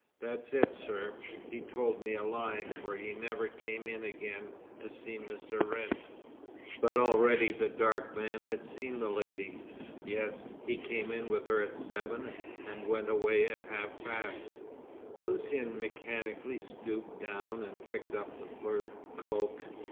"That's it, sir. He told me a lie, for he never came in again to see Mr. Wrent." "But already the dark man had seen the lady?" "Yes. He came in with her at seven, and went away at half past." Lucian mechanically stooped down and picked up the fur cloak.